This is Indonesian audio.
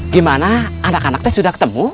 gimana anak anaknya sudah ketemu